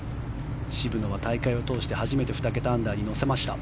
渋野は大会を通して初めて２桁アンダーに乗せました。